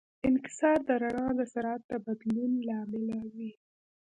انکسار د رڼا د سرعت د بدلون له امله وي.